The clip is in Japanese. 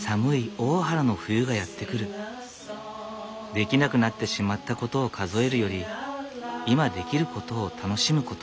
できなくなってしまったことを数えるより今できることを楽しむこと。